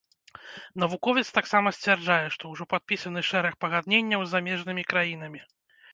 Навуковец таксама сцвярджае, што ўжо падпісаны шэраг пагадненняў з замежнымі краінамі.